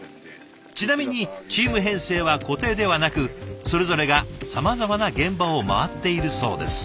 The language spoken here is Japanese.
ちなみにチーム編成は固定ではなくそれぞれがさまざまな現場を回っているそうです。